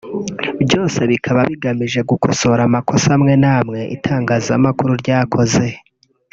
byose bikaba bigamije gukosora amakosa amwe n’amwe itangazamakuru ryakoze